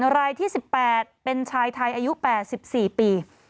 รายที่๑๘เป็นชายไทยอายุ๘๔ปี